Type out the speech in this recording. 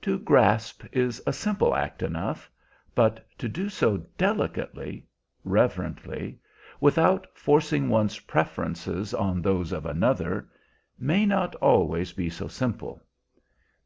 To grasp is a simple act enough; but to do so delicately, reverently, without forcing one's preferences on those of another, may not always be so simple.